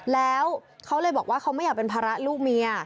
แล้วเขาเลยบอกว่าเขาไม่อยากเป็นภาระลูกเมีย